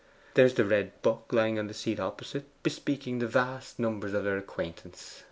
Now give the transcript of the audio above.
There's the red book lying on the opposite seat, bespeaking the vast numbers of their acquaintance.